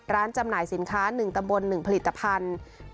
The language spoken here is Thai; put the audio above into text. จำหน่ายสินค้า๑ตำบล๑ผลิตภัณฑ์